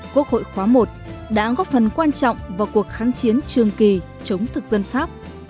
quốc hội khóa i đã góp phần quan trọng vào cuộc kháng chiến trường kỳ chống thực dân pháp